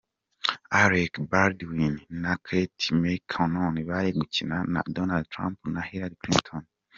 Alec Baldwin na Kate McKinnon bari gukina ari Donald Trump na Hillary Clinton.